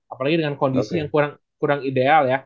apalagi dengan kondisi yang kurang ideal ya